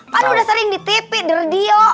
kan udah sering di tv derdio